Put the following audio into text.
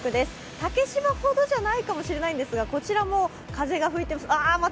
竹芝ほどじゃないかもしれないですが、こちらも風が吹いてますね。